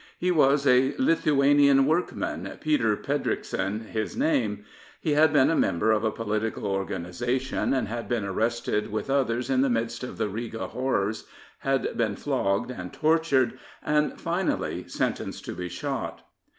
He was a Lithuanian workman, Peter Pridrikson his name. He had been a member of a political organisation and had been arrested with others in the midst of the Riga horrors, had been flogged and tortured, and finally sentenced to be shot.